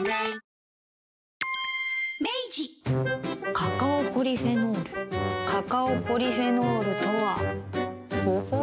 カカオポリフェノールカカオポリフェノールとはほほう。